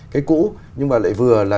cái cũ nhưng mà lại vừa là